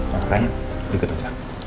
makanya diketuk saja